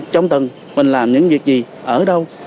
trong từng mình làm những việc gì ở đâu